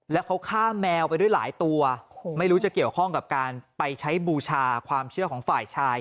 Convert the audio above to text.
แล้วเขาฆ่าแมวไปด้วยหลายตัวไม่รู้จะเกี่ยวข้องกับการไปใช้บูชาความเชื่อของฝ่ายชาย